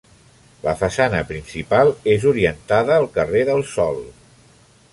La façana principal és orientada al carrer del Sol.